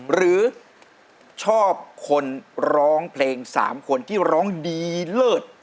หรือชอบคนร้องเพลง๓คนที่ร้องดีเลิศ